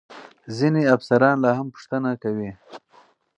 ځینې افسران لا هم پوښتنه کوي.